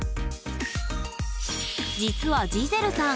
実はジゼルさん